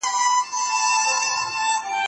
د بهرنیو چارو وزارت نړیوال ملاتړ نه هیروي.